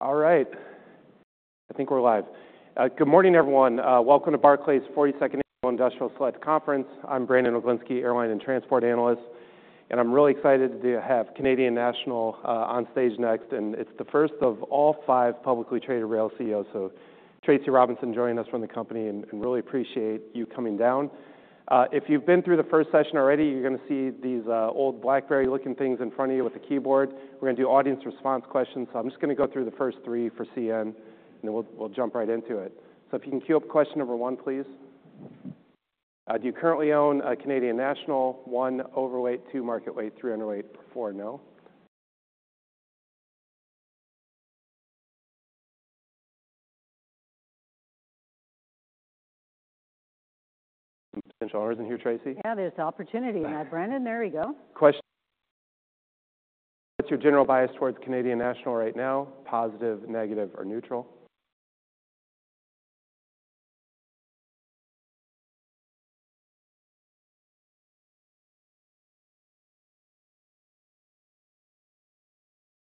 All right. I think we're live. Good morning, everyone. Welcome to Barclays' 42nd Industrial Select Conference. I'm Brandon Oglenski, Airline and Transport Analyst, and I'm really excited to have Canadian National on stage next. And it's the first of all five publicly traded rail CEOs. So Tracy Robinson joining us from the company, and really appreciate you coming down. If you've been through the first session already, you're going to see these old BlackBerry-looking things in front of you with the keyboard. We're going to do audience response questions. So I'm just going to go through the first three for CN, and then we'll jump right into it. So if you can queue up question number one, please. Do you currently own Canadian National? One, overweight. Two, market weight. Three, underweight. Four, no. Potential owners in here, Tracy? Yeah, there's the opportunity. Brandon, there you go. Question. What's your general bias towards Canadian National right now? Positive, negative, or neutral?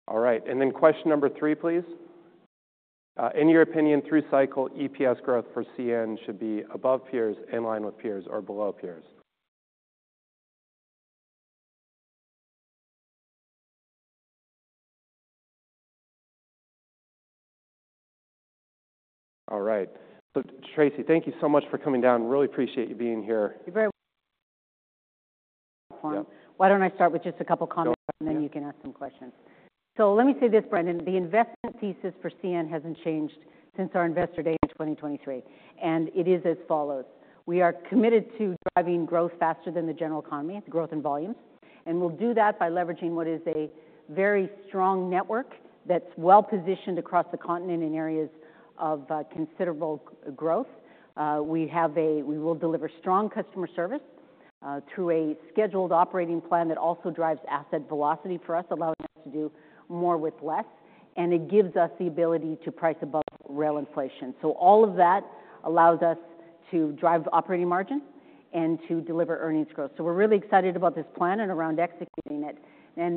All right. And then question number three, please. In your opinion, through-cycle, EPS growth for CN should be above peers, in line with peers, or below peers? All right. So Tracy, thank you so much for coming down. Really appreciate you being here. You're very welcome. Why don't I start with just a couple of comments, and then you can ask some questions? So let me say this, Brandon. The investment thesis for CN hasn't changed since our Investor Day in 2023, and it is as follows. We are committed to driving growth faster than the general economy, growth in volumes, and we'll do that by leveraging what is a very strong network that's well positioned across the continent in areas of considerable growth. We will deliver strong customer service through a scheduled operating plan that also drives asset velocity for us, allowing us to do more with less, and it gives us the ability to price above rail inflation, so all of that allows us to drive operating margin and to deliver earnings growth. We're really excited about this plan and around executing it.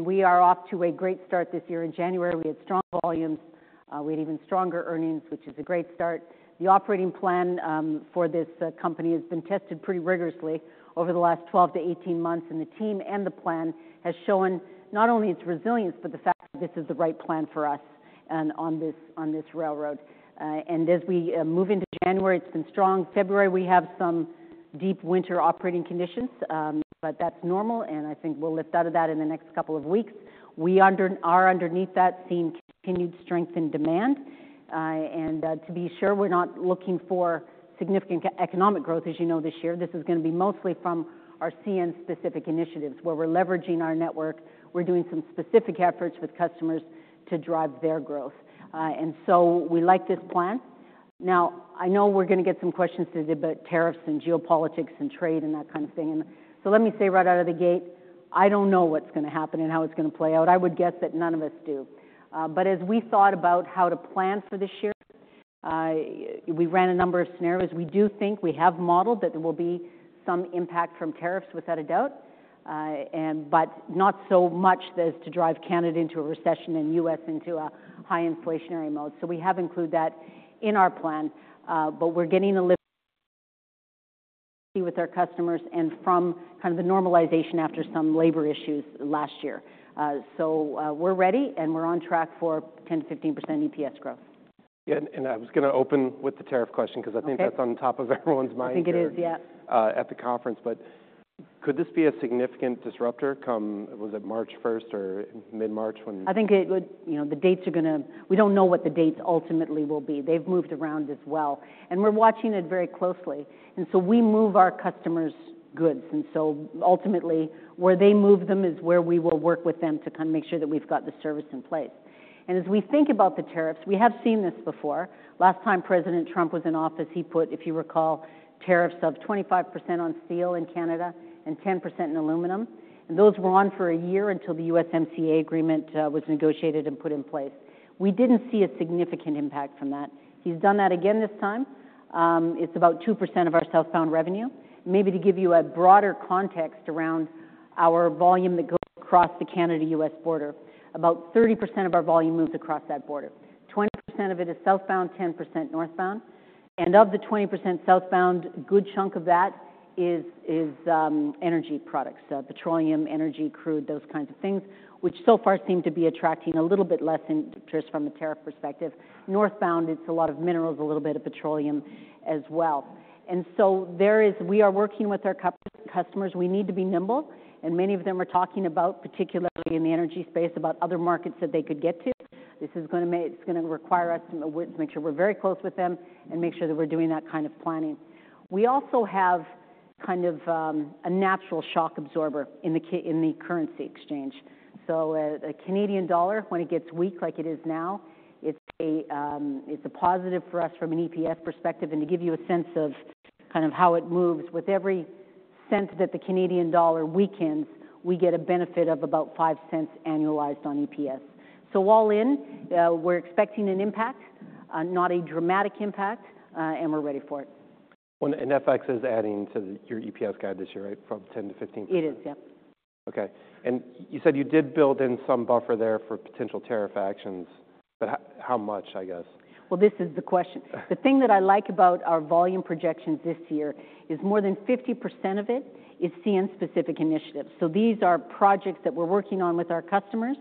We are off to a great start this year. In January, we had strong volumes. We had even stronger earnings, which is a great start. The operating plan for this company has been tested pretty rigorously over the last 12 to 18 months. The team and the plan have shown not only its resilience, but the fact that this is the right plan for us on this railroad. As we move into January, it's been strong. February, we have some deep winter operating conditions, but that's normal. I think we'll lift out of that in the next couple of weeks. We are underneath that, seeing continued strength in demand. To be sure, we're not looking for significant economic growth, as you know, this year. This is going to be mostly from our CN-specific initiatives, where we're leveraging our network. We're doing some specific efforts with customers to drive their growth. And so we like this plan. Now, I know we're going to get some questions today about tariffs and geopolitics and trade and that kind of thing. And so let me say right out of the gate, I don't know what's going to happen and how it's going to play out. I would guess that none of us do. But as we thought about how to plan for this year, we ran a number of scenarios. We do think we have modeled that there will be some impact from tariffs, without a doubt, but not so much as to drive Canada into a recession and the U.S. into a high inflationary mode. So we have included that in our plan. But we're getting a lift with our customers and from kind of the normalization after some labor issues last year. So we're ready, and we're on track for 10%-15% EPS growth. Yeah, and I was going to open with the tariff question because I think that's on top of everyone's mind. I think it is, yeah. At the conference. But could this be a significant disruptor? Was it March 1st or mid-March when? I think it would. You know, the dates are going to, we don't know what the dates ultimately will be. They've moved around as well, and we're watching it very closely. So we move our customers' goods. Ultimately, where they move them is where we will work with them to kind of make sure that we've got the service in place. As we think about the tariffs, we have seen this before. Last time President Trump was in office, he put, if you recall, tariffs of 25% on steel in Canada and 10% in aluminum. Those were on for a year until the USMCA agreement was negotiated and put in place. We didn't see a significant impact from that. He's done that again this time. It's about 2% of our southbound revenue. Maybe to give you a broader context around our volume that goes across the Canada-U.S. border, about 30% of our volume moves across that border. 20% of it is southbound, 10% northbound. And of the 20% southbound, a good chunk of that is energy products: petroleum, energy, crude, those kinds of things, which so far seem to be attracting a little bit less interest from a tariff perspective. Northbound, it's a lot of minerals, a little bit of petroleum as well. And so there is. We are working with our customers. We need to be nimble. And many of them are talking about, particularly in the energy space, about other markets that they could get to. This is going to require us to make sure we're very close with them and make sure that we're doing that kind of planning. We also have kind of a natural shock absorber in the currency exchange. So the Canadian dollar, when it gets weak like it is now, it's a positive for us from an EPS perspective. And to give you a sense of kind of how it moves, with every cent that the Canadian dollar weakens, we get a benefit of about $0.05 annualized on EPS. So all in, we're expecting an impact, not a dramatic impact, and we're ready for it. FX is adding to your EPS guide this year, right, from 10%-15%? It is, yep. Okay, and you said you did build in some buffer there for potential tariff actions. But how much, I guess? This is the question. The thing that I like about our volume projections this year is more than 50% of it is CN-specific initiatives. So these are projects that we're working on with our customers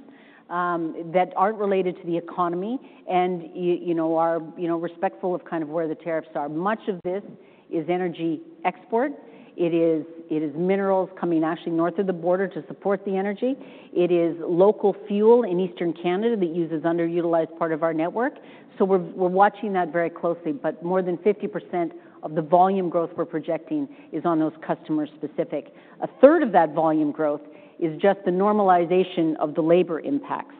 that aren't related to the economy and are respectful of kind of where the tariffs are. Much of this is energy export. It is minerals coming actually north of the border to support the energy. It is local fuel in eastern Canada that uses underutilized part of our network. So we're watching that very closely. But more than 50% of the volume growth we're projecting is on those customer-specific. A third of that volume growth is just the normalization of the labor impacts.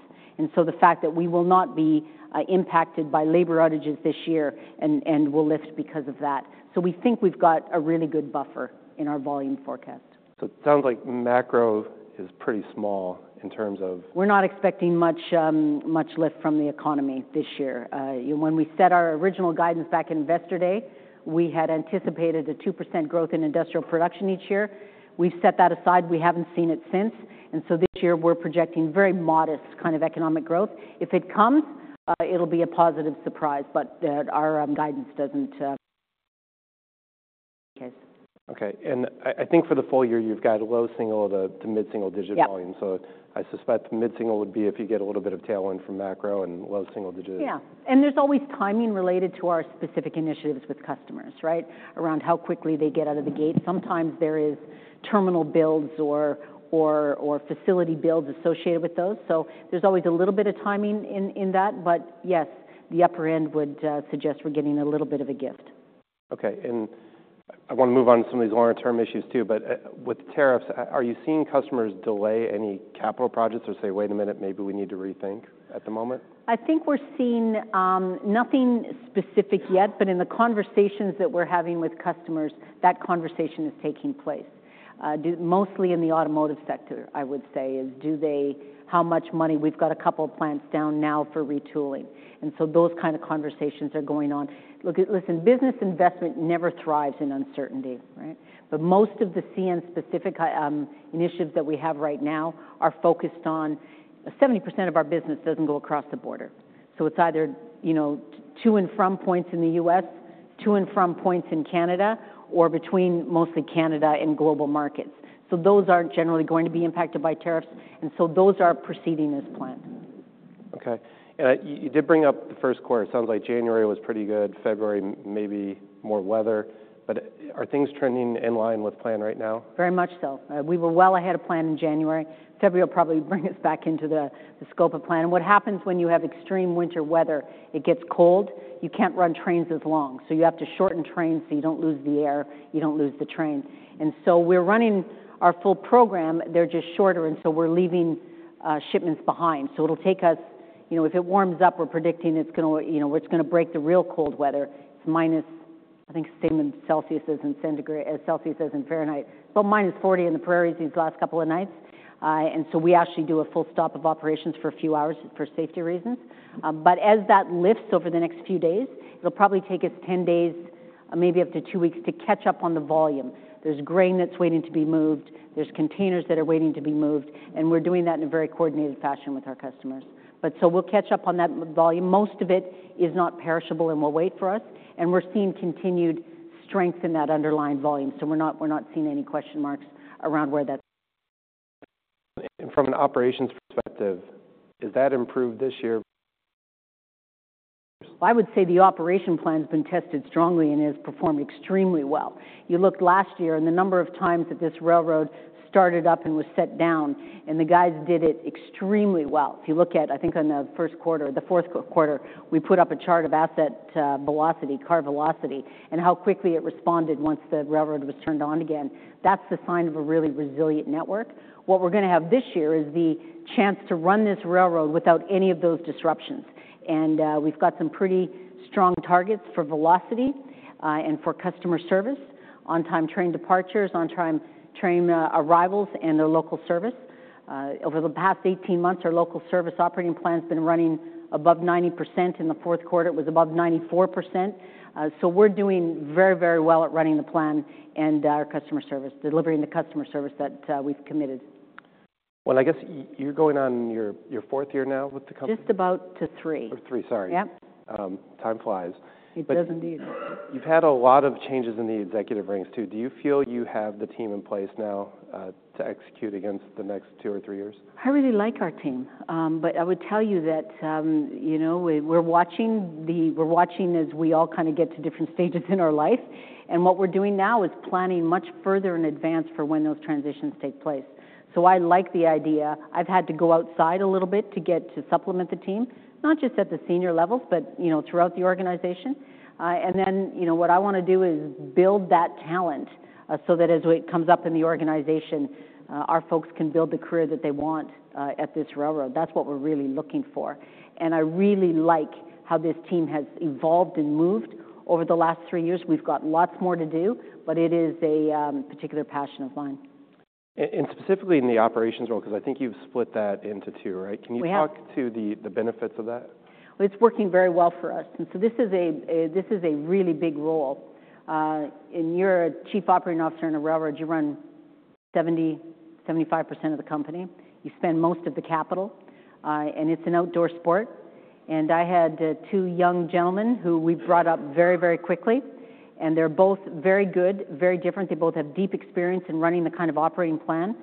The fact that we will not be impacted by labor outages this year and will lift because of that. We think we've got a really good buffer in our volume forecast. So it sounds like macro is pretty small in terms of. We're not expecting much lift from the economy this year. When we set our original guidance back in Investor Day, we had anticipated a 2% growth in industrial production each year. We've set that aside. We haven't seen it since, and so this year, we're projecting very modest kind of economic growth. If it comes, it'll be a positive surprise, but our guidance doesn't, case. Okay. And I think for the full year, you've got a low single to mid-single-digit volume. So I suspect the mid-single would be if you get a little bit of tailwind from macro and low-single-digit. Yeah. And there's always timing related to our specific initiatives with customers, right, around how quickly they get out of the gate. Sometimes there are terminal builds or facility builds associated with those. So there's always a little bit of timing in that. But yes, the upper end would suggest we're getting a little bit of a gift. Okay. And I want to move on to some of these longer-term issues, too. But with tariffs, are you seeing customers delay any capital projects or say, "Wait a minute, maybe we need to rethink" at the moment? I think we're seeing nothing specific yet. But in the conversations that we're having with customers, that conversation is taking place, mostly in the automotive sector, I would say, is how much money we've got a couple of plants down now for retooling. And so those kind of conversations are going on. Listen, business investment never thrives in uncertainty, right? But most of the CN-specific initiatives that we have right now are focused on 70% of our business doesn't go across the border. So it's either to and from points in the U.S., to and from points in Canada, or between mostly Canada and global markets. So those aren't generally going to be impacted by tariffs. And so those are preceding this plan. Okay. You did bring up the first quarter. It sounds like January was pretty good, February maybe more weather. But are things trending in line with plan right now? Very much so. We were well ahead of plan in January. February will probably bring us back into the scope of plan. And what happens when you have extreme winter weather? It gets cold. You can't run trains as long. So you have to shorten trains so you don't lose the air, you don't lose the trains. And so we're running our full program. They're just shorter. And so we're leaving shipments behind. So it'll take us, you know, if it warms up, we're predicting it's going to, you know, it's going to break the real cold weather. It's minus, I think, same in Celsius as in Fahrenheit, but minus 40 in the Prairies these last couple of nights. And so we actually do a full stop of operations for a few hours for safety reasons. But as that lifts over the next few days, it'll probably take us 10 days, maybe up to two weeks to catch up on the volume. There's grain that's waiting to be moved. There's containers that are waiting to be moved. And we're doing that in a very coordinated fashion with our customers. But so we'll catch up on that volume. Most of it is not perishable and will wait for us. And we're seeing continued strength in that underlying volume. So we're not seeing any question marks around where that. From an operations perspective, is that improved this year? I would say the operation plan has been tested strongly and has performed extremely well. You looked last year and the number of times that this railroad started up and was set down, and the guys did it extremely well. If you look at, I think, in the first quarter, the fourth quarter, we put up a chart of asset velocity, car velocity, and how quickly it responded once the railroad was turned on again. That's the sign of a really resilient network. What we're going to have this year is the chance to run this railroad without any of those disruptions. And we've got some pretty strong targets for velocity and for customer service, on-time train departures, on-time train arrivals, and their local service. Over the past 18 months, our local service operating plan has been running above 90%. In the fourth quarter, it was above 94%. So we're doing very, very well at running the plan and our customer service, delivering the customer service that we've committed. I guess you're going on your fourth year now with the company? Just about to three. Or three, sorry. Yep. Time flies. It does indeed. You've had a lot of changes in the executive ranks, too. Do you feel you have the team in place now to execute against the next two or three years? I really like our team, but I would tell you that, you know, we're watching as we all kind of get to different stages in our life. And what we're doing now is planning much further in advance for when those transitions take place, so I like the idea. I've had to go outside a little bit to get to supplement the team, not just at the senior levels, but, you know, throughout the organization, and then, you know, what I want to do is build that talent so that as it comes up in the organization, our folks can build the career that they want at this railroad. That's what we're really looking for, and I really like how this team has evolved and moved over the last three years. We've got lots more to do, but it is a particular passion of mine. Specifically in the operations role, because I think you've split that into two, right? Can you talk to the benefits of that? Well, it's working very well for us, and so this is a really big role, and you're a chief operating officer in a railroad. You run 70%-75% of the company. You spend most of the capital, and it's an outdoor sport, and I had two young gentlemen who we brought up very, very quickly, and they're both very good, very different. They both have deep experience in running the kind of operating plan.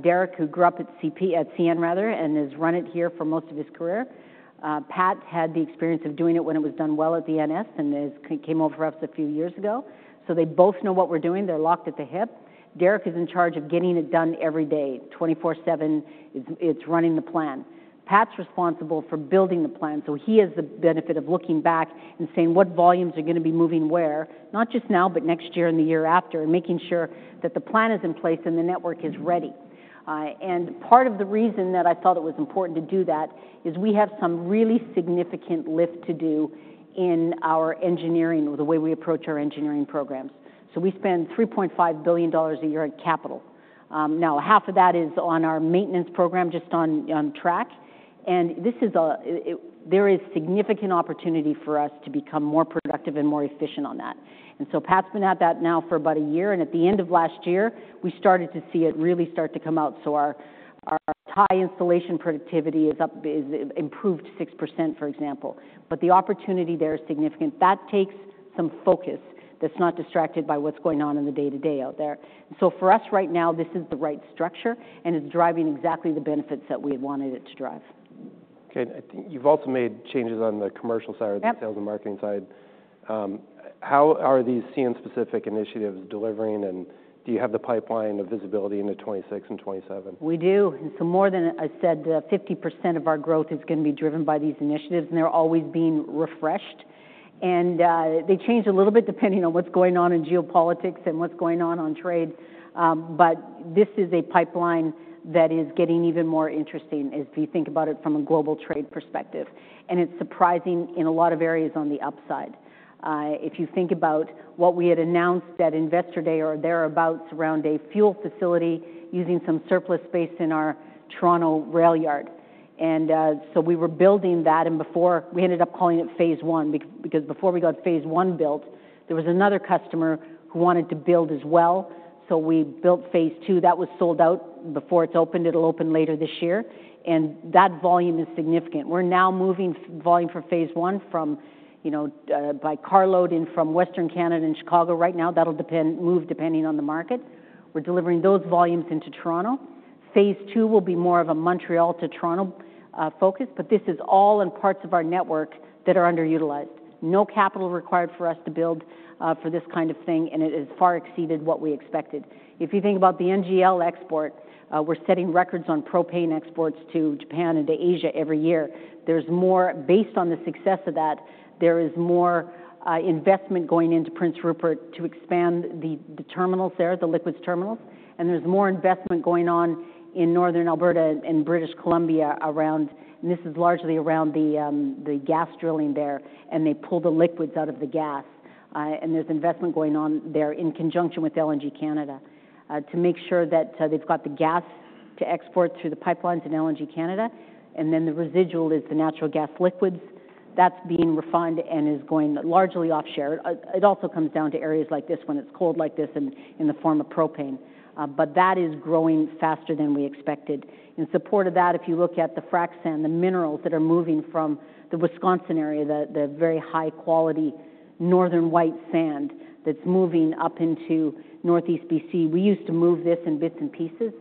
Derek, who grew up at CN, rather, and has run it here for most of his career. Pat had the experience of doing it when it was done well at the NS and came over for us a few years ago, so they both know what we're doing. They're locked at the hip. Derek is in charge of getting it done every day, 24/7. It's running the plan. Pat's responsible for building the plan. He has the benefit of looking back and saying, "What volumes are going to be moving where?" Not just now, but next year and the year after, and making sure that the plan is in place and the network is ready. And part of the reason that I thought it was important to do that is we have some really significant lift to do in our engineering, the way we approach our engineering programs. So we spend 3.5 billion dollars a year in capital. Now, half of that is on our maintenance program, just on track. And there is significant opportunity for us to become more productive and more efficient on that. And so Pat's been at that now for about a year. And at the end of last year, we started to see it really start to come out. Our tie installation productivity is improved 6%, for example. The opportunity there is significant. That takes some focus that's not distracted by what's going on in the day-to-day out there. For us right now, this is the right structure. It's driving exactly the benefits that we had wanted it to drive. Okay. You've also made changes on the commercial side or the sales and marketing side. How are these CN-specific initiatives delivering? And do you have the pipeline of visibility into 2026 and 2027? We do. And so more than I said, 50% of our growth is going to be driven by these initiatives. And they're always being refreshed. And they change a little bit depending on what's going on in geopolitics and what's going on on trade. But this is a pipeline that is getting even more interesting as we think about it from a global trade perspective. And it's surprising in a lot of areas on the upside. If you think about what we had announced at Investor Day or thereabouts around a fuel facility using some surplus space in our Toronto railyard. And so we were building that. And before, we ended up calling it phase I because before we got phase I built, there was another customer who wanted to build as well. So we built phase II. That was sold out before it's opened. It'll open later this year and that volume is significant. We're now moving volume for phase I from, you know, by car loading from western Canada and Chicago right now. That'll move depending on the market. We're delivering those volumes into Toronto. Phase I will be more of a Montreal to Toronto focus, but this is all in parts of our network that are underutilized. No capital required for us to build for this kind of thing and it has far exceeded what we expected. If you think about the NGL export, we're setting records on propane exports to Japan and to Asia every year. There's more, based on the success of that, there is more investment going into Prince Rupert to expand the terminals there, the liquids terminals, and there's more investment going on in northern Alberta and British Columbia around, and this is largely around the gas drilling there. And they pull the liquids out of the gas. And there's investment going on there in conjunction with LNG Canada to make sure that they've got the gas to export through the pipelines in LNG Canada. And then the residual is the natural gas liquids that's being refined and is going largely offshore. It also comes down to areas like this when it's cold like this and in the form of propane. But that is growing faster than we expected. In support of that, if you look at the frac sand, the minerals that are moving from the Wisconsin area, the very high-quality Northern White Sand that's moving up into Northeast BC, we used to move this in bits and pieces.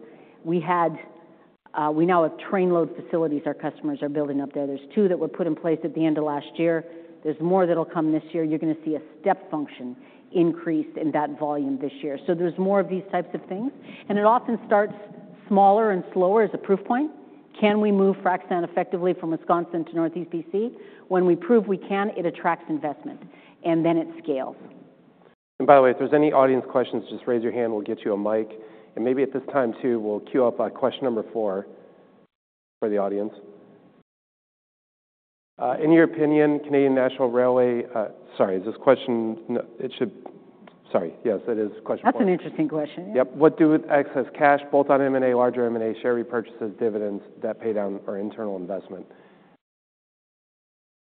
We now have train load facilities our customers are building up there. There's two that were put in place at the end of last year. There's more that'll come this year. You're going to see a step function increase in that volume this year. So there's more of these types of things. And it often starts smaller and slower as a proof point. Can we move frac sand effectively from Wisconsin to Northeast BC? When we prove we can, it attracts investment. And then it scales. And by the way, if there's any audience questions, just raise your hand. We'll get you a mic. And maybe at this time, too, we'll queue up question number four for the audience. In your opinion, Canadian National Railway, sorry, is this question? Sorry. Yes, it is question four. That's an interesting question. Yep. What to do with excess cash, bolt-on M&A, larger M&A, share repurchases, dividends, debt paydown, or internal investment?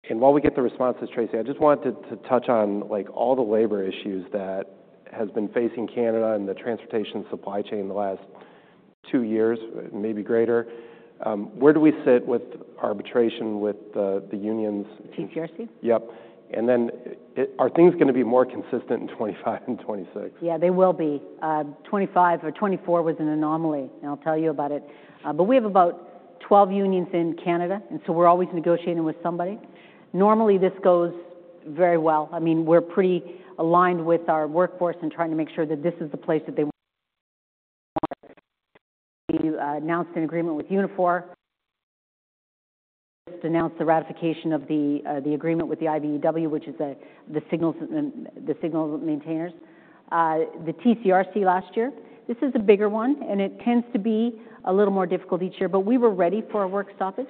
And while we get the responses, Tracy, I just wanted to touch on, like, all the labor issues that have been facing Canada and the transportation supply chain in the last two years, maybe greater. Where do we sit with arbitration with the unions? TCRC? Yep. And then are things going to be more consistent in 2025 and 2026? Yeah, they will be. 2025 or 2024 was an anomaly. And I'll tell you about it. But we have about 12 unions in Canada. And so we're always negotiating with somebody. Normally, this goes very well. I mean, we're pretty aligned with our workforce and trying to make sure that this is the place that they want. We announced an agreement with Unifor, just announced the ratification of the agreement with the IBEW, which is the signal maintainers, the TCRC last year. This is a bigger one. And it tends to be a little more difficult each year. But we were ready for a work stoppage.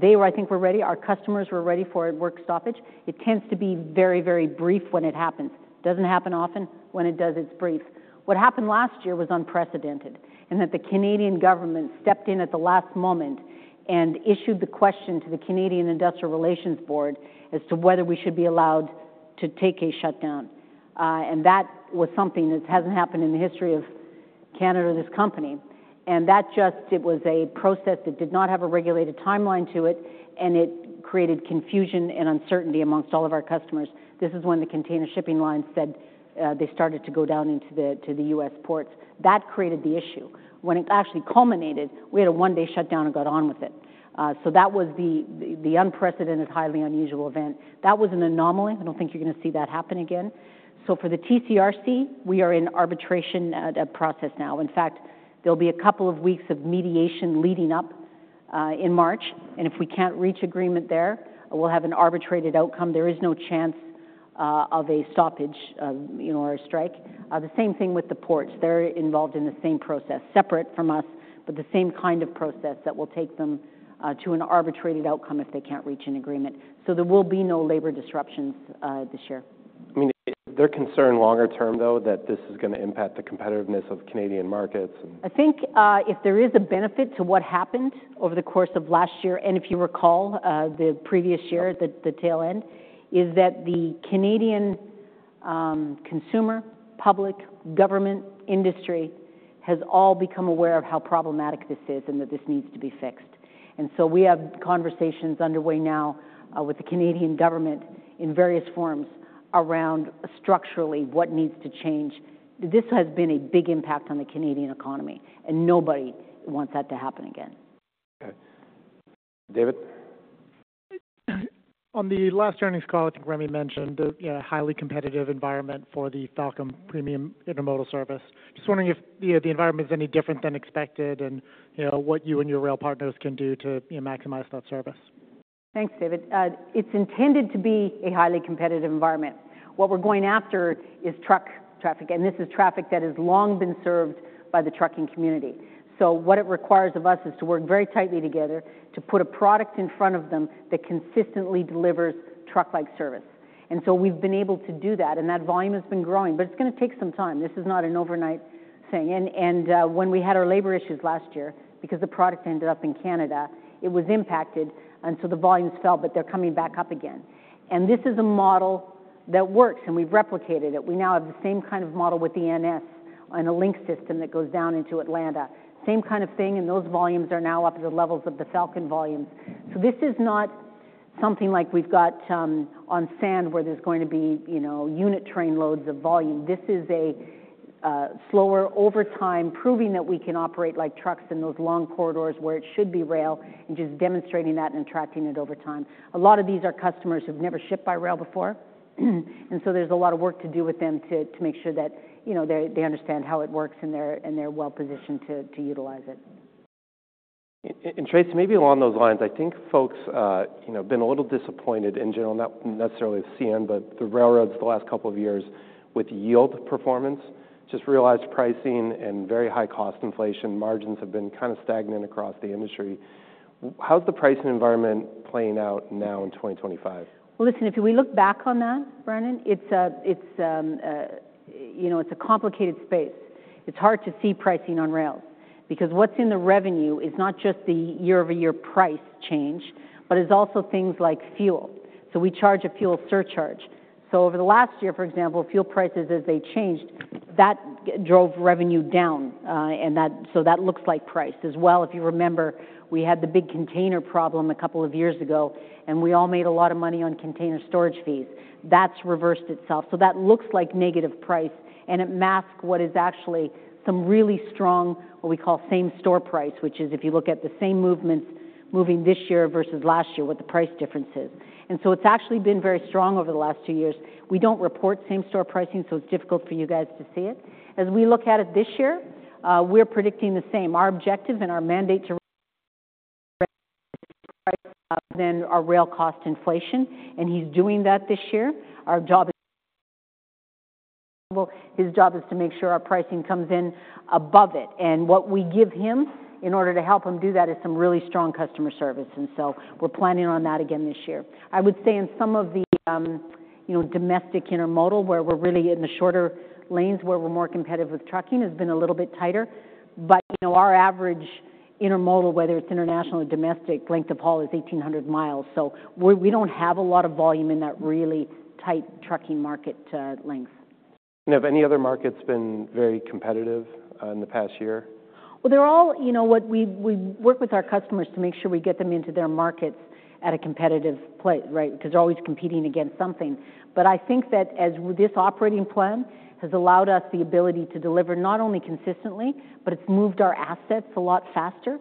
They were, I think, were ready. Our customers were ready for a work stoppage. It tends to be very, very brief when it happens. Doesn't happen often. When it does, it's brief. What happened last year was unprecedented in that the Canadian government stepped in at the last moment and issued the question to the Canadian Industrial Relations Board as to whether we should be allowed to take a shutdown. And that was something that hasn't happened in the history of Canada or this company. And that just, it was a process that did not have a regulated timeline to it. And it created confusion and uncertainty amongst all of our customers. This is when the container shipping lines said they started to go down into the U.S. ports. That created the issue. When it actually culminated, we had a one-day shutdown and got on with it. So that was the unprecedented, highly unusual event. That was an anomaly. I don't think you're going to see that happen again. So for the TCRC, we are in arbitration process now. In fact, there'll be a couple of weeks of mediation leading up in March. And if we can't reach agreement there, we'll have an arbitrated outcome. There is no chance of a stoppage, you know, or a strike. The same thing with the ports. They're involved in the same process, separate from us, but the same kind of process that will take them to an arbitrated outcome if they can't reach an agreement. So there will be no labor disruptions this year. I mean, is there concern longer term, though, that this is going to impact the competitiveness of Canadian markets? I think if there is a benefit to what happened over the course of last year, and if you recall the previous year, the tail end, is that the Canadian consumer, public, government, industry has all become aware of how problematic this is and that this needs to be fixed, and so we have conversations underway now with the Canadian government in various forms around structurally what needs to change. This has been a big impact on the Canadian economy, and nobody wants that to happen again. Okay. David? On the last earnings call, I think Remi mentioned a highly competitive environment for the Falcon Premium Intermodal service. Just wondering if the environment is any different than expected and what you and your rail partners can do to maximize that service? Thanks, David. It's intended to be a highly competitive environment. What we're going after is truck traffic, and this is traffic that has long been served by the trucking community, so what it requires of us is to work very tightly together to put a product in front of them that consistently delivers truck-like service. And so we've been able to do that, and that volume has been growing, but it's going to take some time. This is not an overnight thing, and when we had our labor issues last year, because the product ended up in Canada, it was impacted, and so the volumes fell, but they're coming back up again, and this is a model that works, and we've replicated it. We now have the same kind of model with the NS and a link system that goes down into Atlanta. Same kind of thing. Those volumes are now up to the levels of the Falcon volumes. This is not something like we've got on sand where there's going to be, you know, unit train loads of volume. This is a slower over time, proving that we can operate like trucks in those long corridors where it should be rail and just demonstrating that and attracting it over time. A lot of these are customers who've never shipped by rail before. There is a lot of work to do with them to make sure that, you know, they understand how it works and they're well-positioned to utilize it. Tracy, maybe along those lines, I think folks, you know, have been a little disappointed in general, not necessarily with CN, but the railroads the last couple of years with yield performance, just realized pricing and very high cost inflation, margins have been kind of stagnant across the industry. How's the pricing environment playing out now in 2025? Listen, if we look back on that, Brandon, it's, you know, it's a complicated space. It's hard to see pricing on rails because what's in the revenue is not just the year-over-year price change, but it's also things like fuel. So we charge a fuel surcharge. So over the last year, for example, fuel prices, as they changed, that drove revenue down. And so that looks like price as well. If you remember, we had the big container problem a couple of years ago. And we all made a lot of money on container storage fees. That's reversed itself. So that looks like negative price. And it masks what is actually some really strong, what we call same-store price, which is if you look at the same movements moving this year versus last year, what the price difference is. It's actually been very strong over the last two years. We don't report same-store pricing, so it's difficult for you guys to see it. As we look at it this year, we're predicting the same. Our objective and our mandate to tame our rail cost inflation. He's doing that this year. Our job is to make sure our pricing comes in above it. What we give him in order to help him do that is some really strong customer service. We're planning on that again this year. I would say in some of the, you know, domestic intermodal where we're really in the shorter lanes where we're more competitive with trucking has been a little bit tighter. You know, our average intermodal, whether it's international or domestic, length of haul is 1,800 miles. So we don't have a lot of volume in that really tight trucking market length. Have any other markets been very competitive in the past year? They're all, you know, what we work with our customers to make sure we get them into their markets at a competitive place, right, because they're always competing against something. I think that as this operating plan has allowed us the ability to deliver not only consistently, but it's moved our assets a lot faster.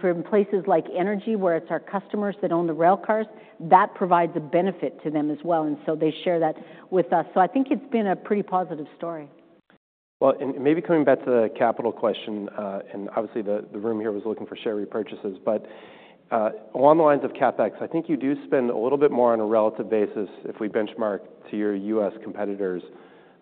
For places like energy, where it's our customers that own the rail cars, that provides a benefit to them as well. They share that with us. I think it's been a pretty positive story. Well, and maybe coming back to the capital question. And obviously, the room here was looking for share repurchases. But along the lines of CapEx, I think you do spend a little bit more on a relative basis if we benchmark to your U.S. competitors.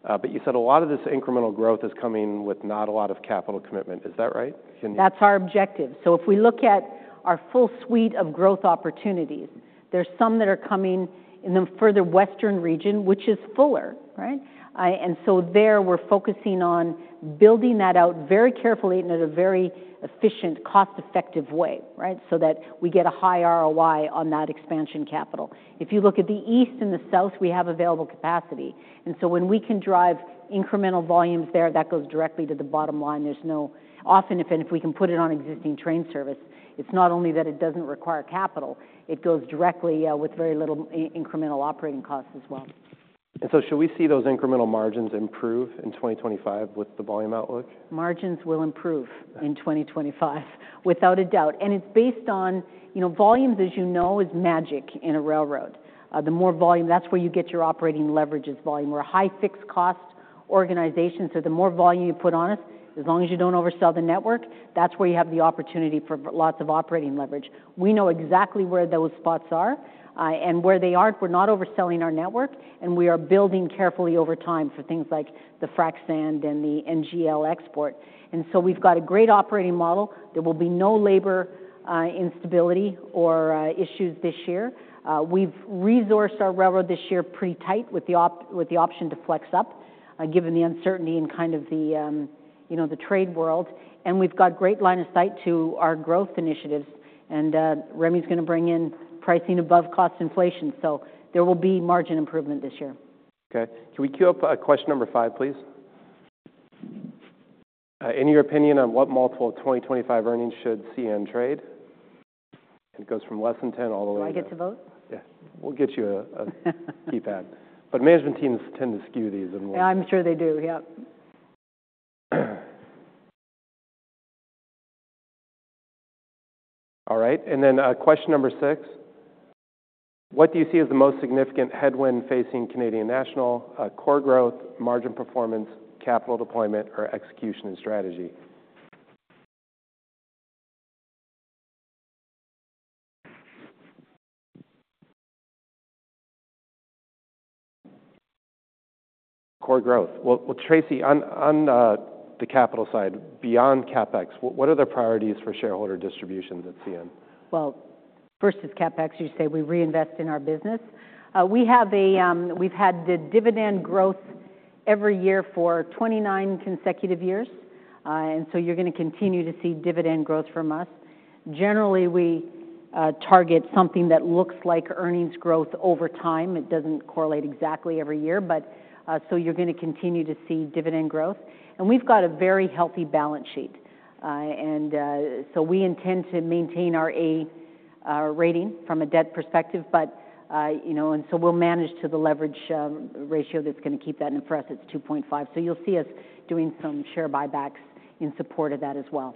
But you said a lot of this incremental growth is coming with not a lot of capital commitment. Is that right? That's our objective. So if we look at our full suite of growth opportunities, there's some that are coming in the further western region, which is fuller, right? And so there, we're focusing on building that out very carefully and in a very efficient, cost-effective way, right, so that we get a high ROI on that expansion capital. If you look at the east and the south, we have available capacity. And so when we can drive incremental volumes there, that goes directly to the bottom line. There's no often, if we can put it on existing train service, it's not only that it doesn't require capital, it goes directly with very little incremental operating costs as well. And so should we see those incremental margins improve in 2025 with the volume outlook? Margins will improve in 2025, without a doubt, and it's based on, you know, volumes, as you know, is magic in a railroad. The more volume, that's where you get your operating leverage is volume. We're a high fixed-cost organization. So the more volume you put on us, as long as you don't oversell the network, that's where you have the opportunity for lots of operating leverage. We know exactly where those spots are, and where they aren't, we're not overselling our network. And we are building carefully over time for things like the frac sand and the NGL export. And so we've got a great operating model. There will be no labor instability or issues this year. We've resourced our railroad this year pretty tight with the option to flex up, given the uncertainty in kind of the, you know, the trade world. We've got great line of sight to our growth initiatives. Remi's going to bring in pricing above cost inflation. There will be margin improvement this year. Okay. Can we queue up question number five, please? In your opinion, on what multiple of 2025 earnings should CN trade? And it goes from less than 10 all the way to. Do I get to vote? Yeah. We'll get you a keypad. But management teams tend to skew these and. I'm sure they do. Yep. All right. And then question number six. What do you see as the most significant headwind facing Canadian National, core growth, margin performance, capital deployment, or execution and strategy? Core growth. Well, Tracy, on the capital side, beyond CapEx, what are the priorities for shareholder distribution that CN? First is CapEx. You say we reinvest in our business. We have the dividend growth every year for 29 consecutive years, and so you're going to continue to see dividend growth from us. Generally, we target something that looks like earnings growth over time. It doesn't correlate exactly every year, but so you're going to continue to see dividend growth. And we've got a very healthy balance sheet, and so we intend to maintain our A rating from a debt perspective, but you know, and so we'll manage to the leverage ratio that's going to keep that, and for us, it's 2.5%, so you'll see us doing some share buybacks in support of that as well.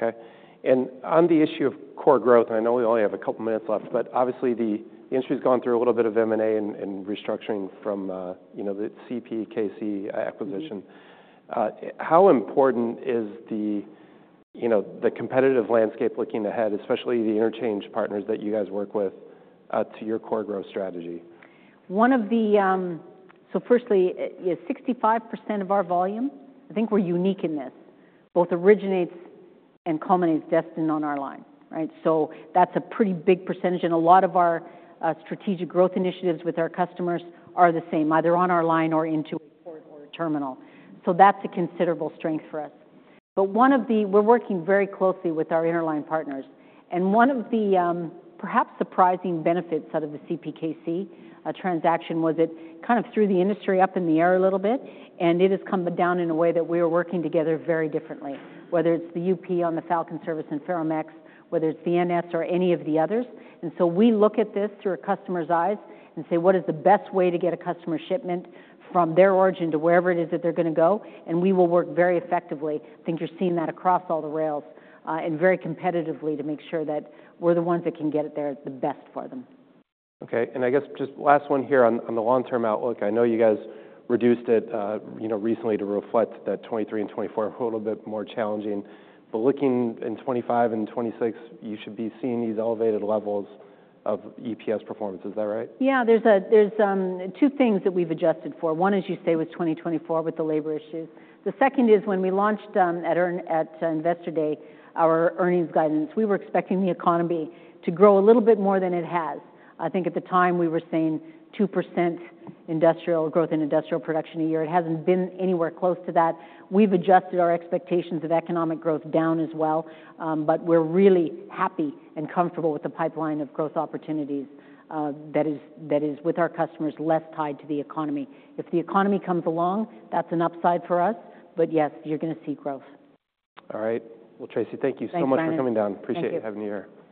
Okay. And on the issue of core growth, and I know we only have a couple of minutes left, but obviously, the industry has gone through a little bit of M&A and restructuring from, you know, the CPKC acquisition. How important is the, you know, the competitive landscape looking ahead, especially the interchange partners that you guys work with, to your core growth strategy? One of the, so firstly, 65% of our volume, I think we're unique in this, both originates and culminates destined on our line, right? So that's a pretty big percentage. And a lot of our strategic growth initiatives with our customers are the same, either on our line or into a port or a terminal. So that's a considerable strength for us. But one of the, we're working very closely with our interline partners. And one of the perhaps surprising benefits out of the CPKC transaction was it kind of threw the industry up in the air a little bit. And it has come down in a way that we are working together very differently, whether it's the UP on the Falcon Service and Ferromex, whether it's the NS or any of the others. And so we look at this through a customer's eyes and say, what is the best way to get a customer shipment from their origin to wherever it is that they're going to go? And we will work very effectively. I think you're seeing that across all the rails and very competitively to make sure that we're the ones that can get it there the best for them. Okay. And I guess just last one here on the long-term outlook. I know you guys reduced it, you know, recently to reflect that 2023 and 2024 are a little bit more challenging. But looking in 2025 and 2026, you should be seeing these elevated levels of EPS performance. Is that right? Yeah. There's two things that we've adjusted for. One is, you say, was 2024 with the labor issues. The second is when we launched at Investor Day, our earnings guidance, we were expecting the economy to grow a little bit more than it has. I think at the time we were seeing 2% industrial growth in industrial production a year. It hasn't been anywhere close to that. We've adjusted our expectations of economic growth down as well. But we're really happy and comfortable with the pipeline of growth opportunities that is with our customers, less tied to the economy. If the economy comes along, that's an upside for us. But yes, you're going to see growth. All right. Well, Tracy, thank you so much for coming down. Appreciate having you here.